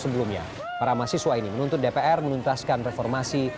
sebelumnya para mahasiswa ini menuntut dpr menuntaskan reformasi